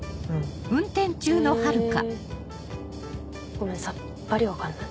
ごめんさっぱり分かんない。